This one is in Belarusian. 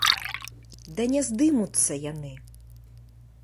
Да не здымуцца яны!